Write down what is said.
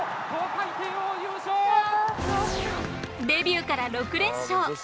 デビューから６連勝。